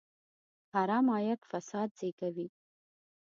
حرام عاید فساد زېږوي.